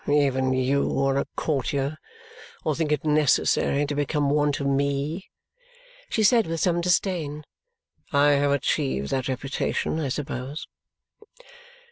Even you are a courtier, or think it necessary to become one to me!" she said with some disdain. "I have achieved that reputation, I suppose."